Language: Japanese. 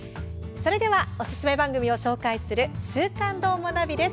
それではおすすめ番組を紹介する「週刊どーもナビ」です。